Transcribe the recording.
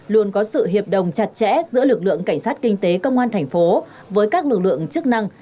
luôn có sự hiệp đồng chặt chẽ giữa lực lượng cảnh sát kinh tế công an thành phố với các lực lượng chức năng